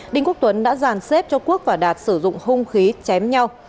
đinh quốc tuấn đã giàn xếp cho quốc và đạt sử dụng hung khí chém nhau